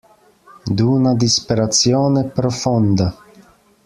D'una disperazione profonda.